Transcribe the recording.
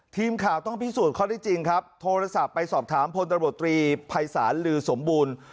ทีมข่าวต้องพิสูจน์ข้อได้จริงครับโทรศัพท์ไปสอบถามพลตำรวจตรีภัยศาลลือสมบูรณ์